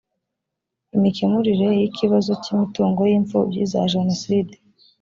imikemurire y’ikibazo cy’imitungo y’imfubyi za jenoside